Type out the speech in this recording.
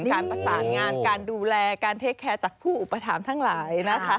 การประสานงานการดูแลการเทคแคร์จากผู้อุปถัมภ์ทั้งหลายนะคะ